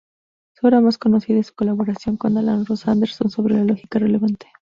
Su obra más conocida es su colaboración con Alan Ross Anderson sobre lógica relevante.